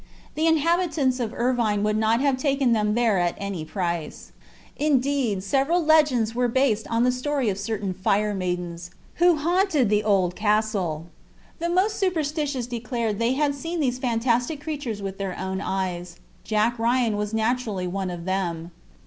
The inhabitants of Irvine would not have taken them there at any price. Indeed, several legends were based on the story of certain "fire maidens," who haunted the old castle. The most superstitious declared they had seen these fantastic creatures with their own eyes. Jack Ryan was naturally one of them.